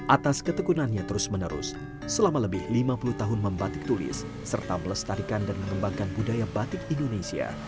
atas ketekunannya terus menerus selama lebih lima puluh tahun membatik tulis serta melestarikan dan mengembangkan budaya batik indonesia